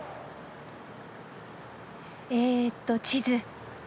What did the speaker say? えと地図。